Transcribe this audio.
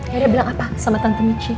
yaudah bilang apa sama tante michi